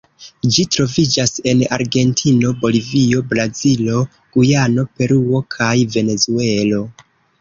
Ĝi troviĝas en Argentino, Bolivio, Brazilo, Gujano, Peruo kaj Venezuelo.